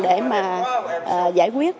để mà giải quyết